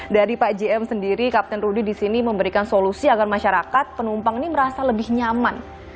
dari pak jm sendiri kapten rudy di sini memberikan solusi agar masyarakat penumpang ini merasa lebih nyaman